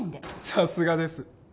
さすがです。